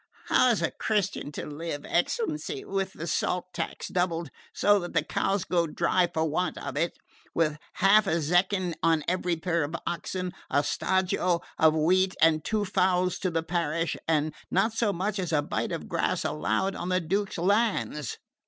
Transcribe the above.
"How is a Christian to live, excellency, with the salt tax doubled, so that the cows go dry for want of it; with half a zecchin on every pair of oxen, a stajo of wheat and two fowls to the parish, and not so much as a bite of grass allowed on the Duke's lands?